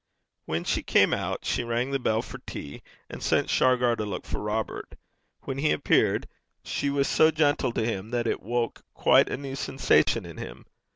When she came out, she rang the bell for tea, and sent Shargar to look for Robert. When he appeared, she was so gentle to him that it woke quite a new sensation in him.